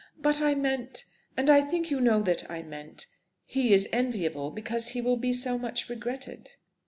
But I meant and I think you know that I meant he is enviable because he will be so much regretted."